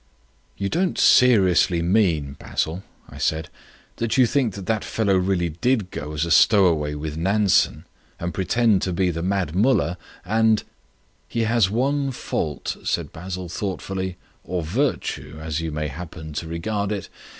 "You don't seriously mean, Basil," I said, "that you think that that fellow really did go as a stowaway with Nansen and pretend to be the Mad Mullah and " "He has one fault," said Basil thoughtfully, "or virtue, as you may happen to regard it.